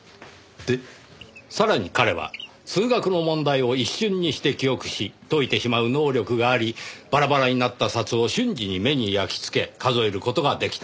さらに彼は数学の問題を一瞬にして記憶し解いてしまう能力がありバラバラになった札を瞬時に目に焼きつけ数える事が出来た。